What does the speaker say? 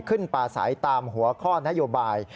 ขึ้นปลาสายตามหัวข้อนโยบาย